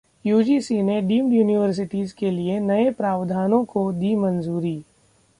UGC ने deemed universities के लिए नए प्रावधानों को दी मंजूरी